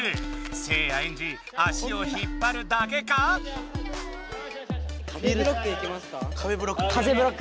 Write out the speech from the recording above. せいやエンジ足を引っぱるだけか⁉壁ブロック？